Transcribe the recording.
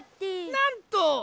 なんと！